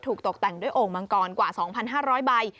ถูกตกแต่งด้วยองค์มังกรกว่า๒๕๐๐ใบ